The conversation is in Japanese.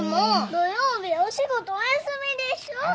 土曜日お仕事お休みでしょ？